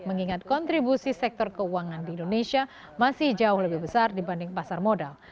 mengingat kontribusi sektor keuangan di indonesia masih jauh lebih besar dibanding pasar modal